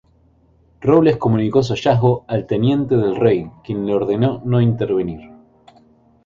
Robles comunicó su hallazgo al Teniente del Rey quien le ordenó no intervenir.